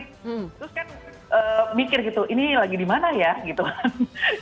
terus kan mikir gitu ini lagi dimana ya gitu kan